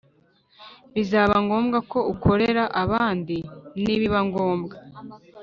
bizaba ngombwa ko ukorera ahandi nibiba ngombwa